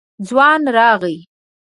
ځوان راغی.